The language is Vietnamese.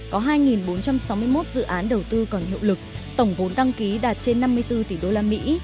có hai bốn trăm sáu mươi một dự án đầu tư còn hiệu lực tổng vốn đăng ký đạt trên năm mươi bốn tỷ đô la mỹ